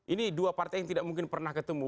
ini dua partai yang tidak mungkin pernah ketemu